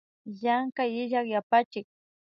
Llankay illak yapachik